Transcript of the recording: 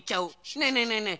ねえねえねえねえ！